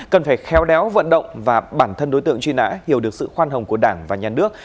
cần phải khéo đéo vận động và bản thân đối tượng truy nã hiểu được sự khoan hồng của đảng và nhân đức